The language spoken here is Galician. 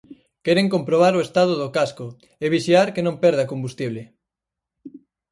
Queren comprobar o estado do casco e vixiar que non perda combustible.